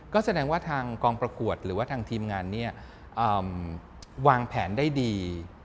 ก็แสดงว่าทางกองประกวดหรือว่าทางทีมงานวางแผนได้ดี